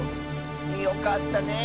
よかったね！